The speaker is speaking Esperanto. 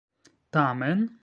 tamen